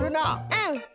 うん。